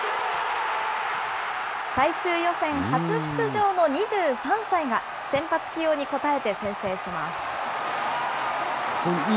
最終予選、初出場の２３歳が、先発起用に応えて先制します。